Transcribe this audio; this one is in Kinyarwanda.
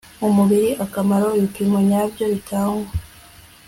umubiri akamaro; ibipimo nyabyo bitangwa